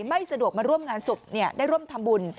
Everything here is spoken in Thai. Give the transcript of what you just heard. ไม่สะดวกมาร่วมงานศุกร์เนี้ยได้ร่วมทำบุญ